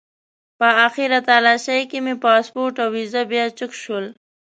په آخري تالاشۍ کې مې پاسپورټ او ویزه بیا چک شول.